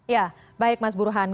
ya baik mas burhan